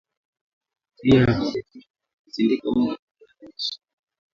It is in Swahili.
Njiaya kusindika unga wa viazi lish